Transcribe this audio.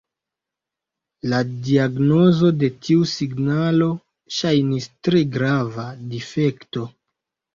La diagnozo de tiu signalo ŝajnis tre grava difekto.